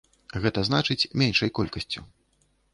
Гэта значыць, меншай колькасцю.